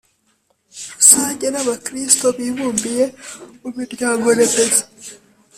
rusange n’abakristu bibumbiye mu miryango-remezo.